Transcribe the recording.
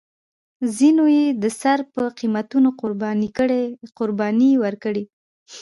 ځینو یې د سر په قیمتونو قربانۍ ورکړې.